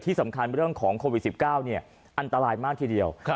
ที่สำคัญเป็นเรื่องของโควิดสิบเก้าเนี่ยอันตรายมากทีเดียวค่ะ